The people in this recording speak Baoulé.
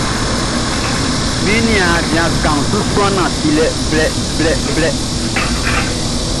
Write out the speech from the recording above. Mi niaan bian kaanʼn su suan nantilɛ blɛblɛblɛ.